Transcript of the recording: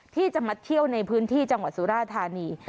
ที่จะมาเที่ยวในพื้นที่จังหวัดสุราธานี